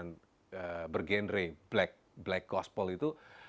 yang bergenre black gospol itu